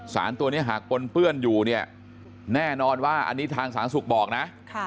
สารตัวนี้หากปนเปื้อนอยู่เนี่ยแน่นอนว่าอันนี้ทางสาธารณสุขบอกนะ